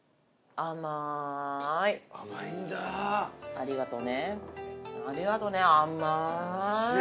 ありがとね甘い。